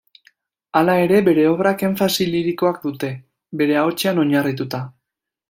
Hala ere, bere obrak enfasi lirikoak dute, bere ahotsean oinarrituta.